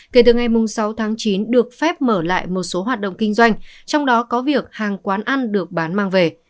kể từ ngày sáu tháng chín được phép mở lại một số hoạt động kinh doanh trong đó có việc hàng quán ăn được bán mang về